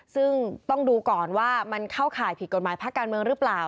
ซึ่งต้องดูก่อนว่ามันเข้าข่ายผิดกฎหมายภาคการเมืองหรือเปล่า